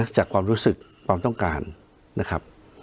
จากความรู้สึกความต้องการนะครับ